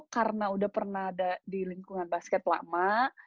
karena udah pernah ada di lingkungan basket lama